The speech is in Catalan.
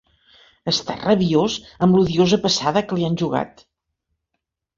Està rabiós amb l'odiosa passada que li han jugat.